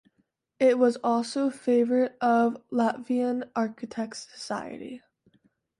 It was also favorite of Latvian Architects’ Society.